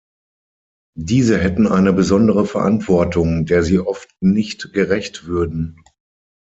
Diese hätten eine besondere Verantwortung, der sie oft nicht gerecht würden.